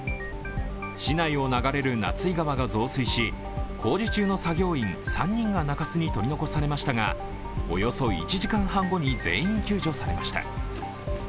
市内を流れる夏井川が増水し、工事中の作業員３人が中州に取り残されましたがおよそ１時間半後に全員救助されました。